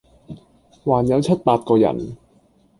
還有七八個人，